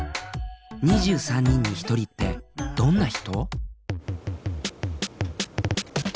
２３人に１人ってどんな人？